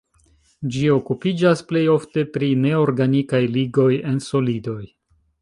Ĝi okupiĝas plej ofte pri neorganikaj ligoj en solidoj.